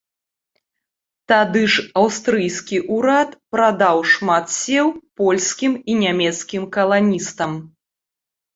Тады ж аўстрыйскі ўрад прадаў шмат сеў польскім і нямецкім каланістам.